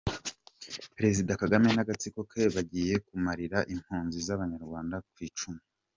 -Perezida Kagame n’agatsiko ke bagiye kumarira impunzi z’abanyarwanda kw’icumu